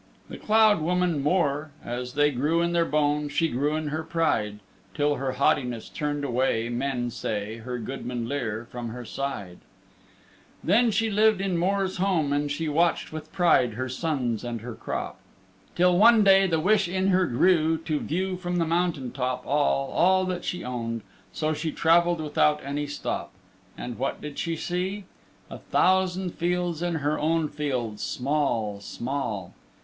The Cloud woman Mor, as they grew in Their bone, she grew in her pride, Till her haughtiness turned away, men say, Her goodman Lir from her side; Then she lived in Mor's Home and she watched With pride her sons and her crop, Till one day the wish in her grew To view from the mountain top All, all that she owned, so she Traveled without any stop. And what did she see? A thousand Fields and her own fields small, small!